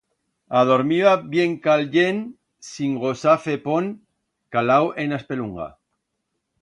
Adormiba bien callent sin gosar fer pont, calau en a espelunga.